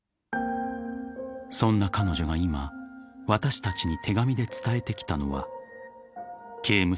［そんな彼女が今私たちに手紙で伝えてきたのは］